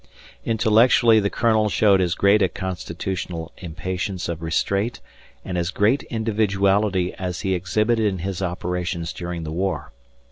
Intellectually the Colonel showed as great a constitutional impatience of restraint and as great individuality as he exhibited in his operations during the war.